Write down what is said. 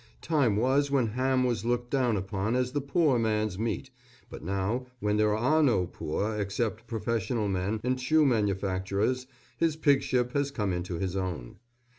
Time was when ham was looked down upon as the poor man's meat, but now, when there are no poor except professional men and shoe manufacturers, his pigship has come into his own.